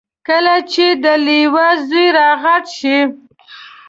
کله چې د لیوه زوی را غټ شي.